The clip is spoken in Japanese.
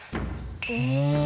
うん。